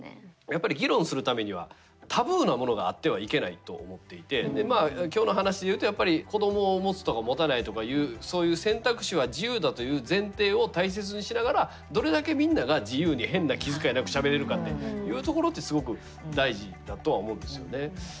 やっぱり議論するためにはタブーなものがあってはいけないと思っていて今日の話で言うとやっぱり子どもを持つとか持たないとかいうそういう選択肢は自由だという前提を大切にしながらどれだけみんなが自由に変な気遣いなくしゃべれるかっていうところってすごく大事だとは思うんですよね。